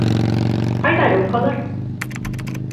Ҡайҙа рюмкалар?